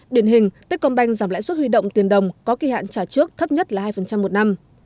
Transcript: điển hình tết công banh giảm lãi suất huy động tiền đồng có kỳ hạn trả trước thấp nhất là hai một năm